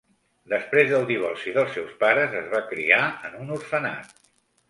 Després del divorci dels seus pares es va criar en un orfenat.